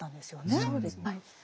そうですねはい。